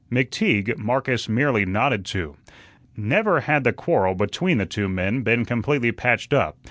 McTeague, Marcus merely nodded to. Never had the quarrel between the two men been completely patched up.